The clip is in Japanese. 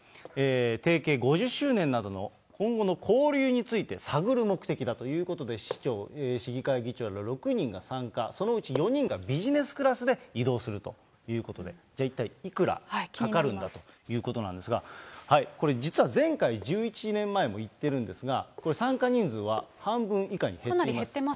提携５０周年などの今後の交流について探る目的だということで、市長、市議会議長ら６人が参加、そのうち４人がビジネスクラスで移動するということで、じゃあ、一体いくらかかるかということなんですが、前回、１１年前も行ってるんですが、これ、参加人数は半分以下に減っています。